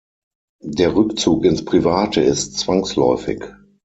Der Rückzug ins Private ist zwangsläufig.